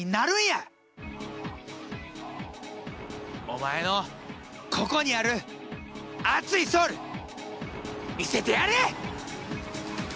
お前のここにある熱いソウル見せてやれ！